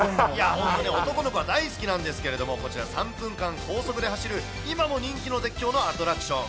本当に男の子は大好きなんですけど、こちら、３分間、高速で走る、今も人気の絶叫のアトラクション。